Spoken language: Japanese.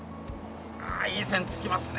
ああいい線突きますね。